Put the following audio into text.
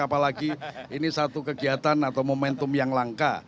apalagi ini satu kegiatan atau momentum yang langka